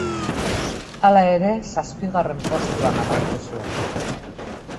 Hala ere zazpigarren postuan amaitu zuen.